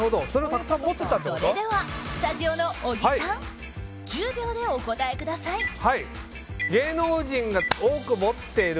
それでは、スタジオの小木さん１０秒でお答えください。